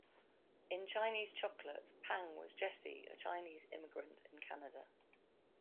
In "Chinese Chocolate", Pang was Jesse, a Chinese immigrant in Canada.